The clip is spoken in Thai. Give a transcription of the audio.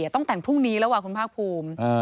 ต้องแต่งพรุ่งนี้แล้วคุณภาคภูมิ